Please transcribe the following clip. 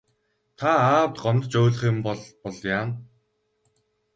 Та аавд гомдож уйлах юм болбол яана.